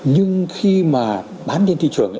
nhưng khi mà bán trên thị trường